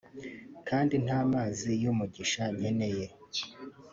kandi nta mazi y’umugisha nkeneye